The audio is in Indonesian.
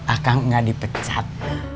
akang gak dipecat